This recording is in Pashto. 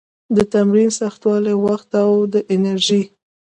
د تمرین سختوالي، وخت او د انرژي